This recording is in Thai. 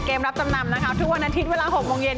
เกมรับจำนำตุ๊กวันนาทิตย์เวลา๖โมงเย็น